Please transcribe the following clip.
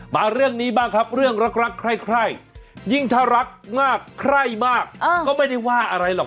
มาเรื่องนี้บ้างครับเรื่องรักใคร่ยิ่งถ้ารักมากใคร่มากก็ไม่ได้ว่าอะไรหรอก